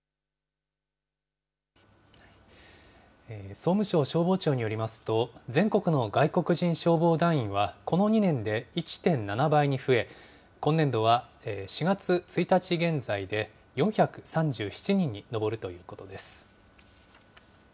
総務省消防庁によりますと、全国の外国人消防団員は、この２年で１．７倍に増え、今年度は４月１日現在で４３７人に上るということです。